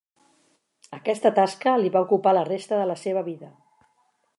Aquesta tasca li va ocupar la resta de la seva vida.